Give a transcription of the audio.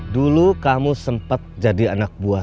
dulu kamu sempat jadi anak buah